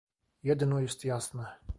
Jedno jest jasne